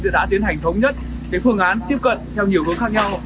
khi đó chúng tôi đã tiến hành thống nhất phương án tiếp cận theo nhiều hướng khác nhau